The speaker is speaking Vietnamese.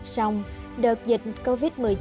xong đợt dịch covid một mươi chín